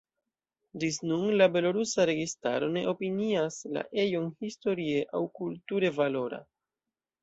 Ĝis nun la belorusa registaro ne opinias la ejon historie aŭ kulture valora.